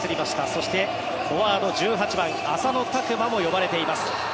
そしてフォワード１８番、浅野拓磨も呼ばれています。